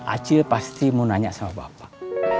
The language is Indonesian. acil pasti mau nanya sama bapak